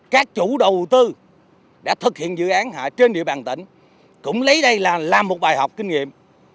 các chủ đầu tư đã thực hiện dự án hạ trên địa bàn tỉnh cũng lấy đây là làm một bài học kinh nghiệm